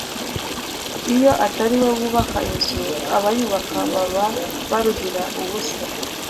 iyo atari we wubaka inzu abayubaka baba baruhira ubusa